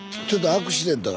アクシデント？